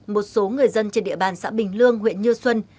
một số người dân trên địa bàn xã bình lương huyện như xuân